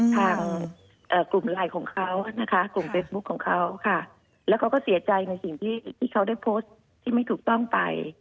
กลุ่มไลน์ของเขานะคะกลุ่มเฟซบุ๊คของเขาค่ะแล้วเขาก็เสียใจในสิ่งที่เขาได้โพสต์ที่ไม่ถูกต้องไป